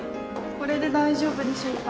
これで大丈夫でしょうか？